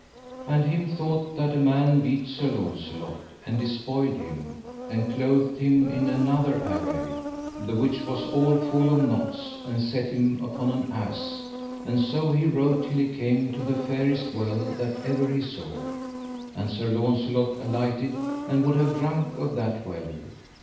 And him thought that a man beat Sir Launcelot, and despoiled him, and clothed him in another array, the which was all full of knots, and set him upon an ass, and so he rode till he came to the fairest well that ever he saw; and Sir Launcelot alighted and would have drunk of that well.